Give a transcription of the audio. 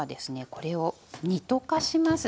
これを煮溶かします。